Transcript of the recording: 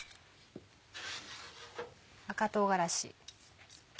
赤唐辛子。